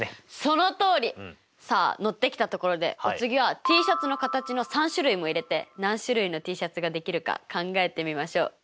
さあ乗ってきたところでお次はＴシャツの形の３種類も入れて何種類のＴシャツができるか考えてみましょう。